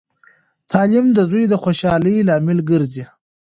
تعلیم د زوی د خوشحالۍ لامل ګرځي.